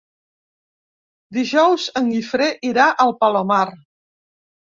Dijous en Guifré irà al Palomar.